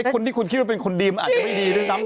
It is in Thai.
คนที่คุณคิดว่าเป็นคนดีมันอาจจะไม่ดีด้วยซ้ำ